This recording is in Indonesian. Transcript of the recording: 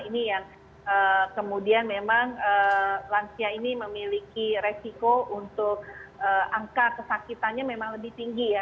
ini yang kemudian memang lansia ini memiliki resiko untuk angka kesakitannya memang lebih tinggi ya